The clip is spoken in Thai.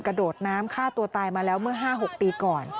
กระโดดน้ำฆ่าตัวตายมาแล้วเมื่อ๕๖ปีก่อน